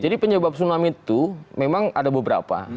jadi penyebab tsunami itu memang ada beberapa